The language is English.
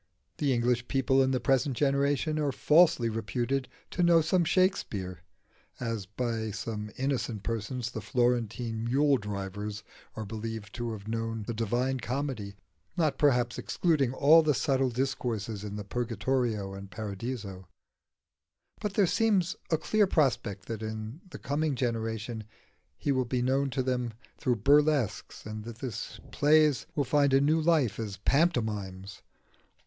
The English people in the present generation are falsely reputed to know Shakspere (as, by some innocent persons, the Florentine mule drivers are believed to have known the Divina Commedia, not, perhaps, excluding all the subtle discourses in the Purgatorio and Paradiso); but there seems a clear prospect that in the coming generation he will be known to them through burlesques, and that his plays will find a new life as pantomimes.